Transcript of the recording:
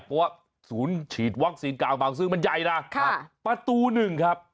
เพราะว่าศูนย์ฉีดวัคซีนกลางบางซึ่งมันใหญ่นะประตู๑ครับ